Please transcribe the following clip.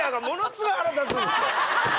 スゴい腹立つんですよ！